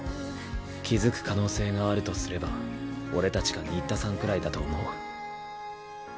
気付く可能性があるとすれば俺たちか新田さんくらいだと思う。